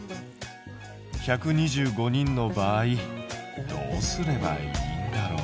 １２５人の場合どうすればいいんだろう？